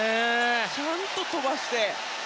ちゃんと飛ばして。